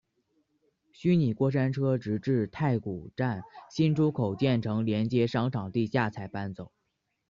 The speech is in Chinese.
虚拟过山车直至太古站新出口建成连接商场地下才搬走。